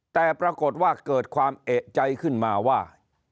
แต่ปรากฏว่าเกิดความเอกใจขึ้นมาว่า